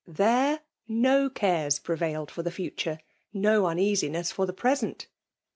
— There no cares prevailed for the future — no uneasiness for the present.